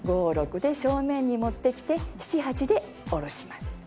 ５６で正面に持ってきて７８で下ろします。